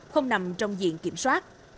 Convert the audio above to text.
không nằm trong diện kiểm soát